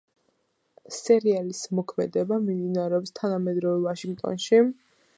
სერიალის მოქმედება მიმდინარეობს თანამედროვე ვაშინგტონში.